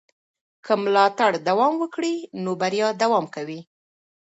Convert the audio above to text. که ملاتړ دوام وکړي نو بریا دوام کوي.